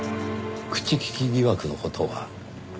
口利き疑惑の事は？